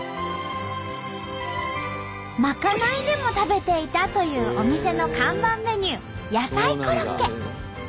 まかないでも食べていたというお店の看板メニュー野菜コロッケ。